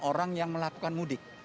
orang yang melakukan mudik